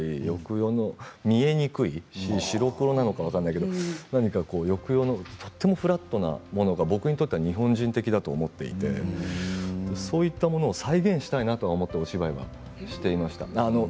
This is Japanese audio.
抑揚の見えにくい、白黒なのか分からないけど、何か抑揚がとてもフラットなものが僕にとっては日本人的だと思っていてそういったものを再現したいなと思ってお芝居はしていました。